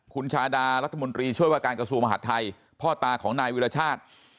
คุณชาดารัฐมนตรีช่วยว่าการกระทรวงมหาดไทยพ่อตาของนายวิรชาติ